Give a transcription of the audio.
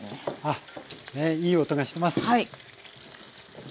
あっねいい音がしてます。